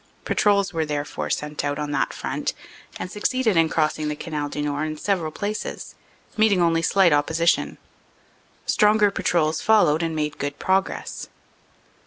Patrols were therefore sent out on that front and succeeded in crossing the Canal du Nord in several places, meeting only slight opposition. Stronger patrols followed and made good progress.